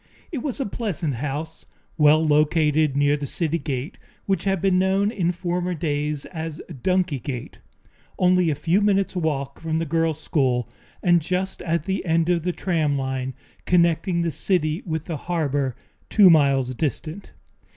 It was a pleasant house, well located near the city gate which had been known in former days as Donkey Gate, only a few minutes' walk from the girls' school and just at the end of the tram line connecting the city with the harbor, two miles distant.